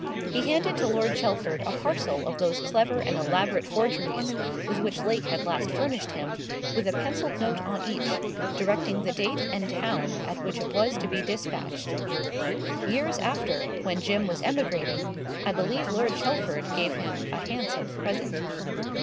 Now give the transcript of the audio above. He handed to Lord Chelford a parcel of those clever and elaborate forgeries, with which Lake had last furnished him, with a pencilled note on each, directing the date and town at which it was to be despatched. Years after, when Jim was emigrating, I believe Lord Chelford gave him a handsome present.